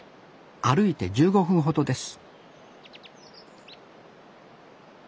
歩いて１５分ほどです